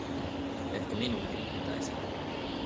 Ehkä minunkin pitäisi.